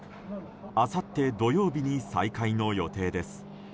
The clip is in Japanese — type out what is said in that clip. あさって土曜日に再開の予定です。